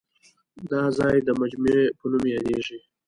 دا ځای د مجمع په نوم یادېږي.